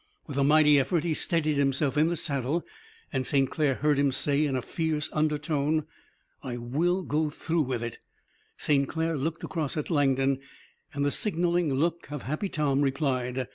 With a mighty effort he steadied himself in the saddle and St. Clair heard him say in a fierce undertone: "I will go through with it!" St. Clair looked across at Langdon and the signaling look of Happy Tom replied.